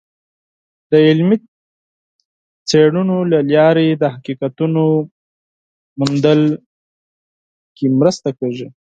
د علمي څیړنو له لارې د حقیقتونو موندلو کې مرسته کیږي.